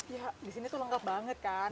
ya di sini tuh lengkap banget kan